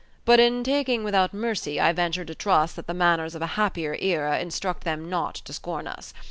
But in taking without mercy, I venture to trust that the manners of a happier era instruct them not to scorn us.